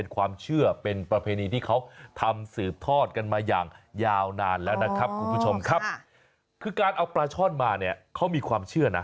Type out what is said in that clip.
คือการเอาปลาช่อนมาเนี่ยเขามีความเชื่อนะ